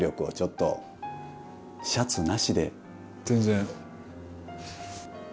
全然。